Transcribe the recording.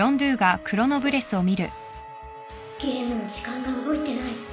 ゲームの時間が動いてない。